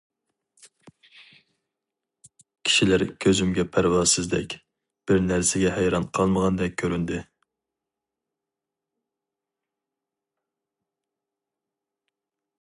كىشىلەر كۆزۈمگە پەرۋاسىزدەك، بىر نەرسىگە ھەيران قالمىغاندەك كۆرۈندى.